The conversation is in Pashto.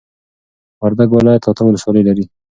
وردوګو ولايت اته ولسوالۍ لري